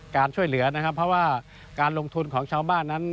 การช่วยเหลือนะครับเพราะว่าการลงทุนของชาวบ้านนั้น